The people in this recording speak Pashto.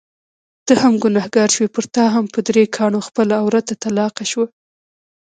ته هم ګنهګار شوې، پرتا هم په درې کاڼو خپله عورته طلاقه شوه.